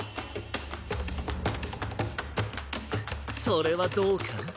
それはどうかな？